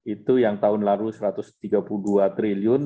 itu yang tahun lalu rp satu ratus tiga puluh dua triliun